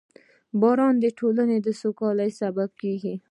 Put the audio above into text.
• باران د ټولنې د سوکالۍ سبب کېږي.